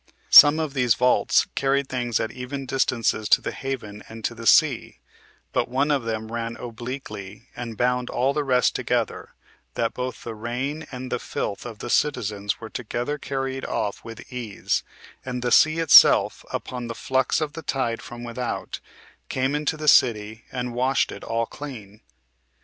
Some of these vaults carried things at even distances to the haven and to the sea; but one of them ran obliquely, and bound all the rest together, that both the rain and the filth of the citizens were together carried off with ease, and the sea itself, upon the flux of the tide from without, came into the city, and washed it all clean.